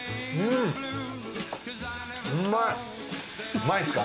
うまいですか？